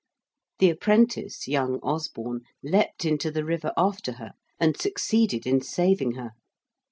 The apprentice, young Osborne, leaped into the river after her and succeeded in saving her.